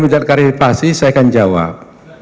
menjelaskan karyokripsi saya akan jawab